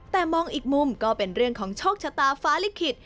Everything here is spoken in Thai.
แต่มองอีกมุมก็เป็นเรื่องของโชคชะตาฟ้าลิขิต